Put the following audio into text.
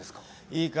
いいか？